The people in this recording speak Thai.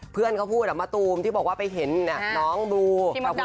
เพื่อนเขาพูดมะตูมที่บอกว่าไปเห็นน้องดู